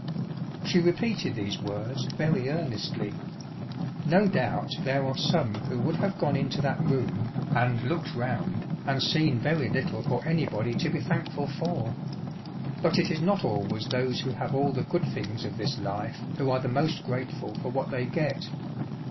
She repeated these words very earnestly. No doubt there are some who would have gone into that room, CH. VI. Alfristofi and Wilmington. 79 and looked round, and seen very little for anybody to be thankful for ; but it is not always those who have all the good things of this life w^ho are the most grateful for what they get.